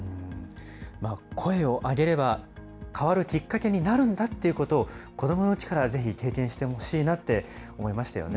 声を上げれば変わるきっかけになるんだということを、子どものうちからぜひ経験してほしいなって思いましたよね。